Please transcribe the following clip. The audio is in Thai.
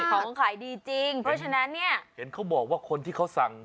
ของขายดีจริงเพราะฉะนั้นเนี่ยเห็นเขาบอกว่าคนที่เขาสั่ง